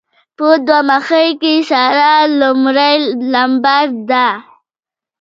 په دوه مخۍ کې ساره لمړی لمبر ده.